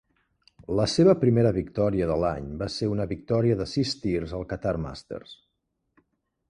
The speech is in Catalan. La seva primera victòria de l'any va ser una victòria de sis tirs al Qatar Masters.